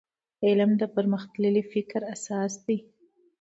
علم د پرمختللي فکر اساس دی.